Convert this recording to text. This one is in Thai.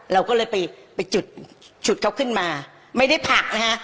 เราก็เลยไปไปจุดฉุดเขาขึ้นมาไม่ได้ผลักนะฮะ